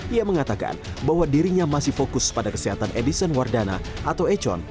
ia mengatakan bahwa dirinya masih fokus pada kesehatan edison wardana atau econ